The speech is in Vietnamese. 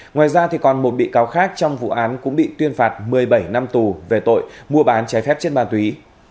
ngoài ra còn một bị cáo khác trong vụ án cũng bị tuyên phạt một mươi bảy năm tù về tội mua bán trái phép chất ma túy